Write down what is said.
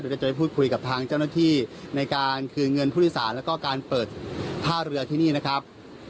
เราจะไปพูดคุยกับทางเจ้าหน้าที่ในการคืนเงินผู้โดยสารแล้วก็การเปิดท่าเรือที่นี่นะครับ